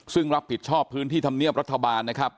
ซึ่งรับผิดชอบพื้นที่ธรรมเนียบรัฐบาลนะครับ